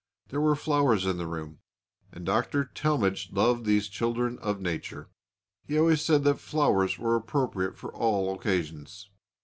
There were flowers in the room, and Dr. Talmage loved these children of nature. He always said that flowers were appropriate for all occasions.